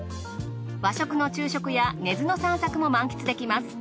和食の昼食や根津の散策も満喫できます。